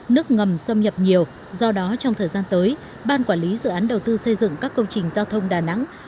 nước ngầm xâm nhập nhiều do đó trong thời gian tới ban quản lý dự án đầu tư xây dựng các công trình giao thông đà nẵng